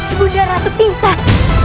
ibu dia ratu pingsan